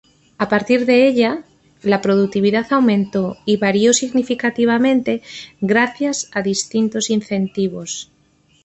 A partir de ella, la productividad aumentó y varió significativamente gracias a distintos incentivos.